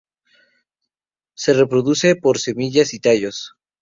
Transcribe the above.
Se reproduce por semillas y tallos.